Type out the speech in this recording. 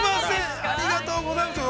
◆ありがとうございます。